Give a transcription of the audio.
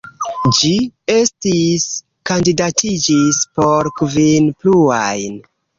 Ĝi estis kandidatiĝis por kvin pluaj.